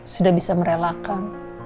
sudah bisa merelakan